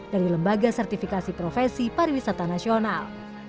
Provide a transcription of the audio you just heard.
dari lembaga sertifikasi profesi pariwisata nasional